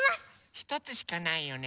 ひとつしかないよね。